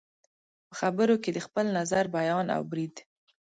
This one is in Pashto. په خبرو کې د خپل نظر بیان او برید